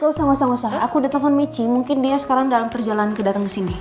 gak usah gak usah gak usah aku udah telepon michi mungkin dia sekarang dalam perjalanan kedatang kesini